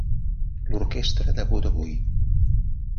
L'orquestra debuta avui.